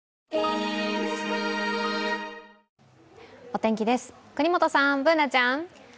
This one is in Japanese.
お天気です、國本さん、Ｂｏｏｎａちゃん。